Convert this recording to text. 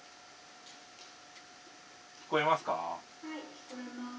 聞こえますか？